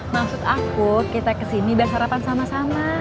maksud aku kita kesini dan sarapan sama sama